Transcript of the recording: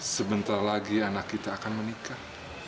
sebentar lagi anak kita akan menikah